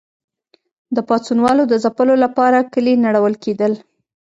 د پاڅونوالو د ځپلو لپاره کلي نړول کېدل.